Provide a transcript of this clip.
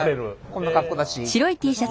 こんな格好だし。